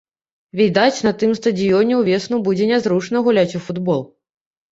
Відаць, на тым стадыёне ўвесну будзе нязручна гуляць у футбол.